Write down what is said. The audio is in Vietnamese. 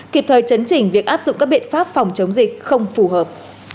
kịp thời chấn chỉnh việc áp dụng các biện pháp phòng chống dịch không phù hợp